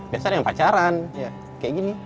biasa ada yang pacaran ya kayak gini